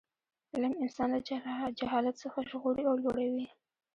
علم انسان له جهالت څخه ژغوري او لوړوي.